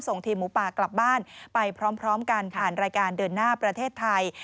ทีมหมูป่ากลับบ้านไปพร้อมกันผ่านรายการเดินหน้าประเทศไทย